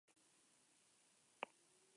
Ahots handien laguntzaile ere izan da.